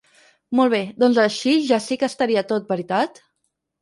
Molt bé, doncs així ja si que estaria tot veritat?